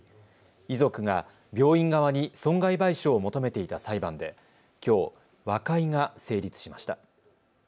遺族が病院側に損害賠償を求めていた裁判できょう、和解が成立しました。